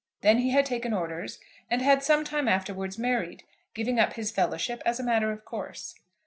Then he had taken orders, and had some time afterwards married, giving up his Fellowship as a matter of course.